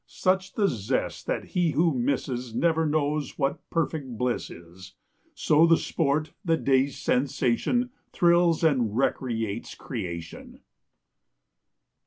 Such the zest that he who misses Never knows what perfect bliss is. So the sport, the day's sensation, Thrills and recreates creation.